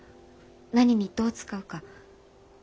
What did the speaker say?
何にどう使うか。